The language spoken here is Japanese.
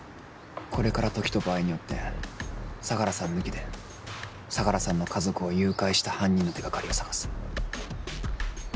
これから時と場合によって相良さん抜きで相良さんの家族を誘拐した犯人の手掛かりを探す。